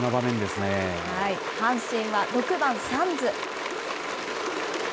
阪神は６番サンズ。